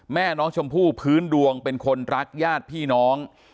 แม่น้องชมพู่พื้นดวงเป็นคนรักญาติพี่น้อง